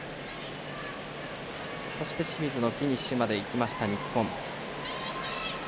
そして、清水のフィニッシュまでいきました、日本。